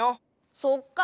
そっか。